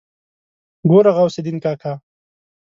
ګوره غوث الدين کاکا.